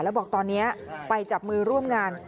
แล้วบอกตอนนี้ไปจับมือร่วมงาน